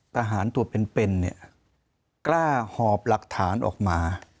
ทหารตัวเป็นเนี่ยกล้าหอบหลักฐานออกมา